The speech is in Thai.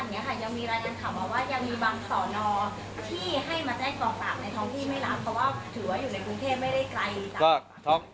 เนื่องจากว่าอยู่ระหว่างการรวมพญาหลักฐานนั่นเองครับ